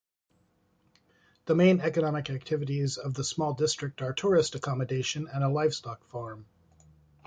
The main economic activities of the small district are tourist accommodation and a livestock farm.